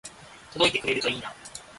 届いてくれるといいな